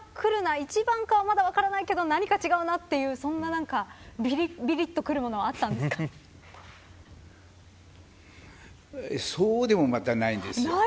一番かは、まだ分からないけど何か違うなというびびっとくるものはそうでもまた、ないんですよ。